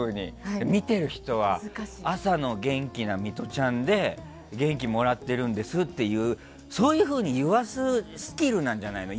見てる人は朝の元気なミトちゃんで元気をもらってるんですっていうそういうふうに言わすスキルなんじゃないの？